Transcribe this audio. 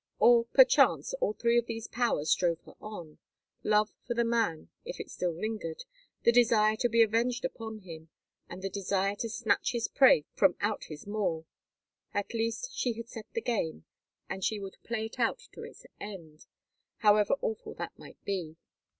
Or, perchance, all three of these powers drove her on,—love for the man if it still lingered, the desire to be avenged upon him, and the desire to snatch his prey from out his maw. At least she had set the game, and she would play it out to its end, however awful that might be.